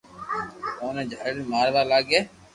اوني جالين ماروا لاگي